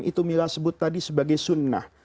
itu mila sebut tadi sebagai sunnah